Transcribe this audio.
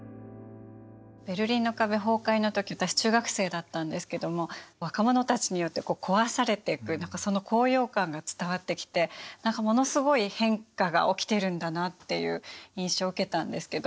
ベルリンの壁崩壊の時私中学生だったんですけども若者たちによって壊されていくその高揚感が伝わってきてものすごい変化が起きてるんだなっていう印象を受けたんですけど。